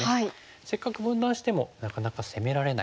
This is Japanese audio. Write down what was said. せっかく分断してもなかなか攻められない。